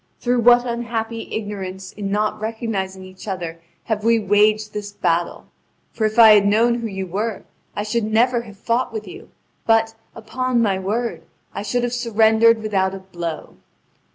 Through what unhappy ignorance in not recognising each other have we waged this battle! For if I had known who you were, I should never have fought with you; but, upon my word, I should have surrendered without a blow."